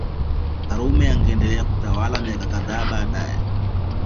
Karume angeendelea kutawala miaka kadhaa baadae